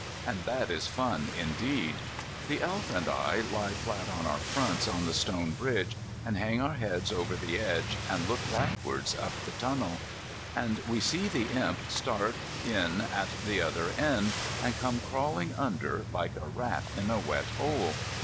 And that is fun indeed. The Elf and I lie flat on our fronts on the stone bridge, and hang our heads over the edge, and look backwards up the tunnel. And we see the Imp start in at the other end, and come crawling under like a rat in a wet hole.